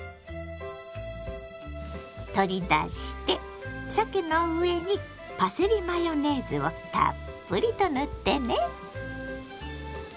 取り出してさけの上にパセリマヨネーズをたっぷりと塗ってね。